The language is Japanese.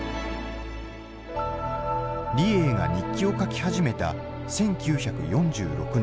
李鋭が日記を書き始めた１９４６年。